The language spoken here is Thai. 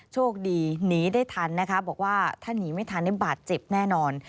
โชคดีหนีได้ทันนะคะบอกว่าถ้าหนีไม่ทันบาดเจ็บแน่นอน